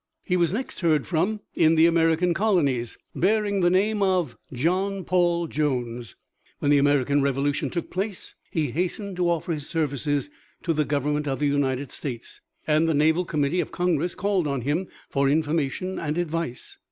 He was next heard from in the American Colonies, bearing the name of John Paul Jones. When the American Revolution took place, he hastened to offer his services to the Government of the United States, and the Naval Committee of Congress called on him for information and advice.